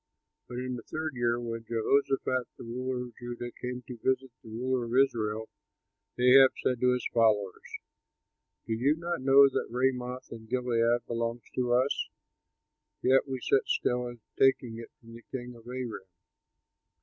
But in the third year, when Jehoshaphat the ruler of Judah came to visit the ruler of Israel, Ahab said to his followers, "Do you not know that Ramoth in Gilead belongs to us; yet we sit still instead of taking it from the king of Aram?"